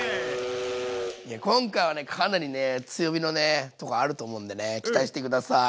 今回はねかなり強火のとこあると思うんで期待して下さい。